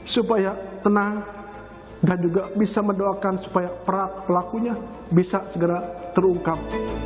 supaya tenang dan juga bisa mendoakan supaya pelakunya bisa segera terungkap